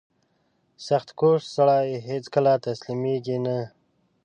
• سختکوش سړی هیڅکله تسلیمېږي نه.